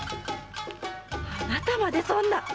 あなたまでそんな！